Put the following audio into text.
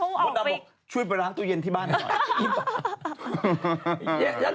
มดดำบอกช่วยไปล้างตู้เย็นที่บ้านหน่อย